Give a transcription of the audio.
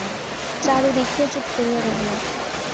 চারু দেখিয়া চুপ করিয়া রহিল।